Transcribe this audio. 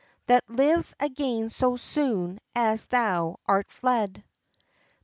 That lives again so soon as thou art fled!